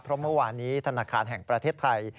เพราะเมื่อวานนี้ธนาคารแห่งประเทศไทย